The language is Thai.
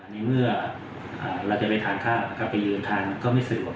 ในเมื่อเราจะไปทานข้าวไปยืนทานมันก็ไม่สะดวก